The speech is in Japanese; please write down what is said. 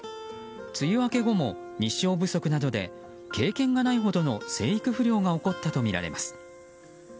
梅雨明け後も日照不足などで経験がないほどの生育不良が起こったとみられます。